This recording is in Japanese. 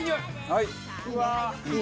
はい！